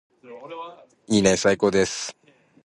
いいねーー最高です